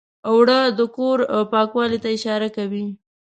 اوړه د کور پاکوالي ته اشاره کوي